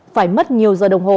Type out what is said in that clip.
phải mất nhiều giờ đồng hồ